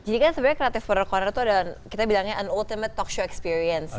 jadi kan sebenarnya creative pruner corner itu adalah kita bilangnya an ultimate talk show experience